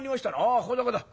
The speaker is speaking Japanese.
「あここだここだ。